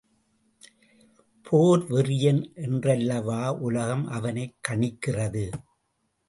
போர் வெறியன் என்றல்லவா உலகம் அவனைக் கணிக்கிறது.